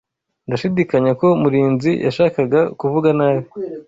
Ndashidikanya ko Murinzi yashakaga kuvuga nabi.